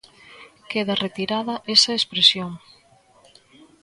Queda retirada esa expresión.